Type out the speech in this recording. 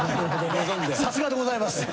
さすがでございます。